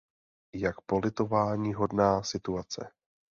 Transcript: Jak politováníhodná situace!